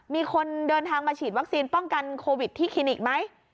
มีคนเดินทางมาฉีดวัคซีนป้องกันโควิดที่คลินิกไหม